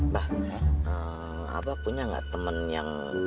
bahwa punya enggak temen yang